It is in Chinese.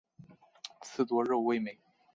刺多肉味美。